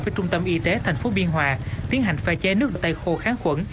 với trung tâm y tế thành phố biên hòa tiến hành pha chế nước tay khô kháng khuẩn